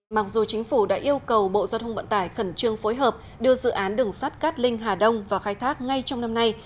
mặc dù chính phủ đã yêu cầu bộ giao thông vận tải khẩn trương phối hợp đưa dự án đường sát cát linh hà đông vào khai thác ngay trong năm nay